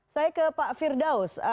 saya ke pak firdaus